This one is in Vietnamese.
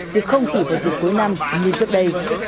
chứ không chỉ vào dịp cuối năm như trước đây